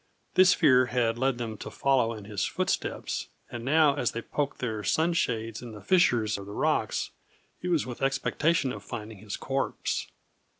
This fear had led them to follow in his footsteps; and now, as they poked their sun shades in the fissures of the rocks, it was with the expectation of finding his corpse.